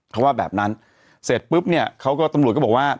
เขาว่าแบบนั้นเสร็จปุ๊บเนี่ยเขาก็ตำรวจก็บอกว่า